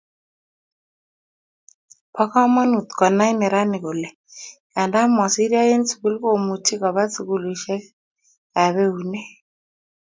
Bo komonut konai neranik kole nganda mosiryo eng sukul komuchi Koba sukulieskyap eunek